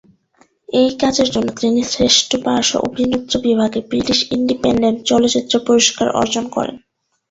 এই কাজের জন্য তিনি শ্রেষ্ঠ পার্শ্ব অভিনেত্রী বিভাগে ব্রিটিশ ইন্ডিপেন্ডেন্ট চলচ্চিত্র পুরস্কার অর্জন করেন।